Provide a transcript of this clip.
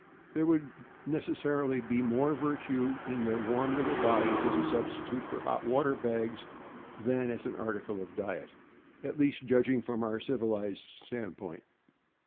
There would necessarily be more virtue in their warm little bodies as a substitute for the hot water bags than as an article of diet, at least judging from our civilized stand point.